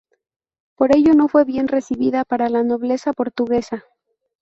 Por ello no fue bien recibida por la nobleza portuguesa.